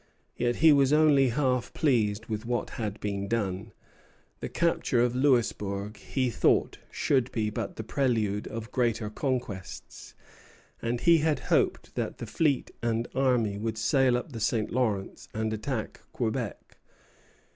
Yet he was only half pleased with what had been done. The capture of Louisbourg, he thought, should be but the prelude of greater conquests; and he had hoped that the fleet and army would sail up the St. Lawrence and attack Quebec.